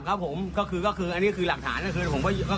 นี่ค่ะไม่กลัวความผิดไม่กลัวถูกดำเนินคดีด้วยคุณผู้ชมค่ะ